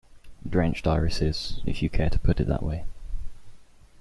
Drenched irises, if you care to put it that way.